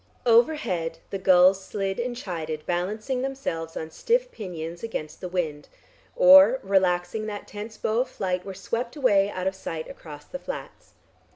Overhead the gulls slid and chided balancing themselves on stiff pinions against the wind, or, relaxing that tense bow of flight were swept away out of sight across the flats.